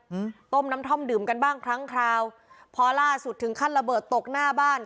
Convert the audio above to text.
อืมต้มน้ำท่อมดื่มกันบ้างครั้งคราวพอล่าสุดถึงขั้นระเบิดตกหน้าบ้าน